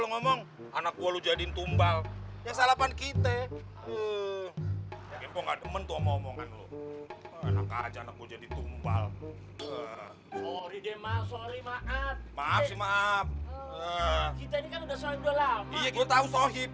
umi umi udah